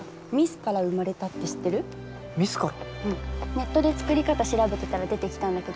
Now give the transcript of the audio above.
ネットで作り方調べてたら出てきたんだけどね